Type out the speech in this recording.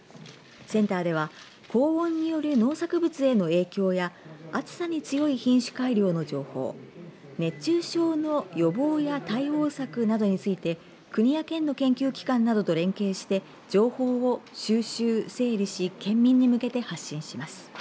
センターでは高温による農作物への影響や暑さに強い品種改良の情報熱中症の予防や対応策などについて国や県の研究機関などと連携して情報を収集、整理し県民に向けて発信します。